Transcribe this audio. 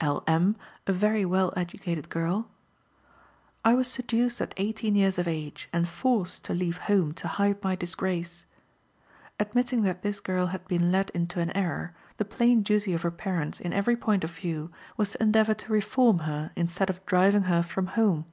L. M., a very well educated girl: "I was seduced at eighteen years of age, and forced to leave home to hide my disgrace." Admitting that this girl had been led into an error, the plain duty of her parents, in every point of view, was to endeavor to reform her instead of driving her from home.